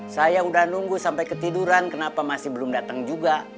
saya udah nunggu sampai ketiduran kenapa masih belum datang juga